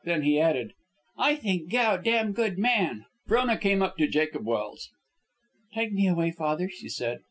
Then he added, "I think Gow damn good man." Frona came up to Jacob Welse. "Take me away, father," she said.